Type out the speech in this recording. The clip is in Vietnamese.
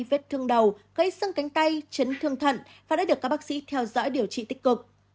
vết thương đầu gây sưng cánh tay chấn thương thận và đã được các bác sĩ theo dõi điều trị tích cực